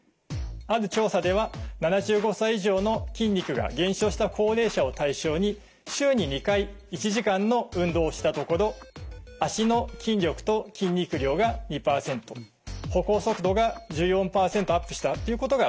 ある調査では７５歳以上の筋肉が減少した高齢者を対象に週に２回１時間の運動をしたところ足の筋力と筋肉量が２％歩行速度が１４％アップしたということが分かっています。